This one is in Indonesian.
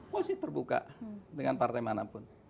koalisi terbuka dengan partai marah pun